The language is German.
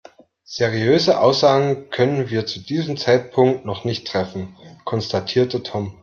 Seriöse Aussagen können wir zu diesem Zeitpunkt noch nicht treffen, konstatierte Tom.